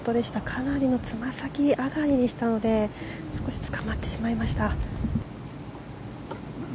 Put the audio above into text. かなりのつま先上がりでしたので少しつかまってしまいました。